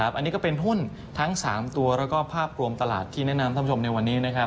อันนี้ก็เป็นหุ้นทั้ง๓ตัวแล้วก็ภาพรวมตลาดที่แนะนำท่านผู้ชมในวันนี้